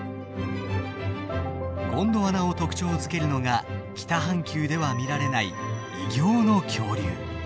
ゴンドワナを特徴づけるのが北半球では見られない異形の恐竜。